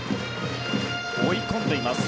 追い込んでいます。